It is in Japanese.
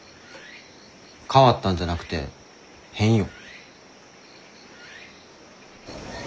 変わったんじゃなくて変よ。